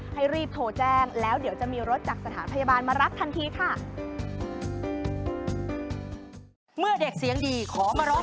ให้รีบโทรแจ้งแล้วเดี๋ยวจะมีรถจากสถานพยาบาลมารับทันทีค่ะ